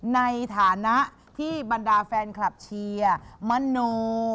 ในฐานะที่บรรดาแฟนคลับเชียร์มโน